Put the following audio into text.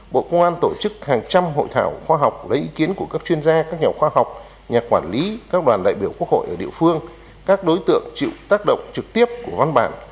bộ công an tổ chức hàng trăm hội thảo khoa học lấy ý kiến của các chuyên gia các nhà khoa học nhà quản lý các đoàn đại biểu quốc hội ở địa phương các đối tượng chịu tác động trực tiếp của văn bản